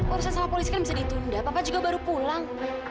urusan sama polisi kan bisa ditunda bapak juga baru pulang